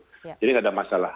jadi nggak ada masalah